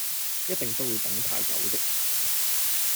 一定不會等太久的